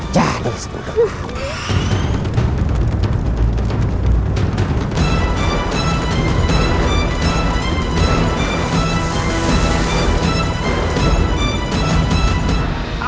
jadi sebuah mata